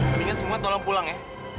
mendingan semua tolong pulang ya